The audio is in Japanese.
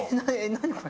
何これ。